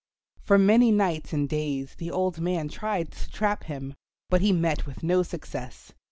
For many nights and days the old man tried to trap him, but he met with no success.